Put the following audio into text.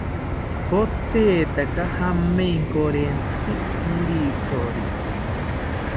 Potetaka jamenkorentziki pirithori